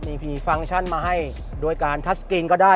มีฟังก์ชันมาให้ด้วยการทัชกรีนก็ได้